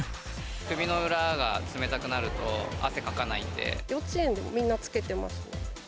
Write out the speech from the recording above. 首の裏が冷たくなると、幼稚園でもみんなつけてます。